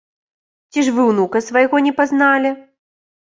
Ці ж вы ўнука свайго не пазналі?